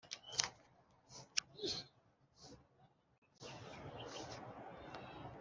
Abapayiniya bemera kubaho mu buzima bworoheje biringiye